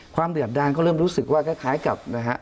เดือบดานก็เริ่มรู้สึกว่าคล้ายกับนะฮะ